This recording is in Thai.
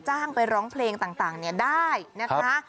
จ้างไปร้องเพลงต่างได้นะคะ